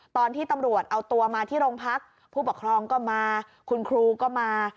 ตอนที่ตำรวจเอาตัวมาที่โรงพักผู้ปกครองก็มาคุณครูก็มา